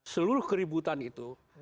seluruh keributan itu